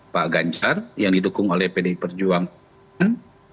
pak ganjar yang didukung oleh pdi perjuangan